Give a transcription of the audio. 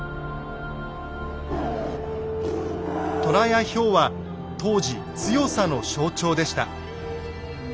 虎やヒョウは当時強さの象徴でした。